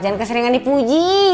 jangan keseringan dipuji